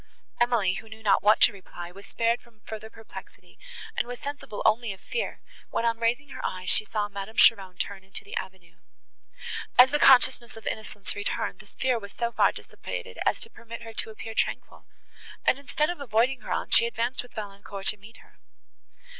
Emily, who knew not what to reply, was spared from further perplexity, and was sensible only of fear, when on raising her eyes, she saw Madame Cheron turn into the avenue. As the consciousness of innocence returned, this fear was so far dissipated as to permit her to appear tranquil, and, instead of avoiding her aunt, she advanced with Valancourt to meet her.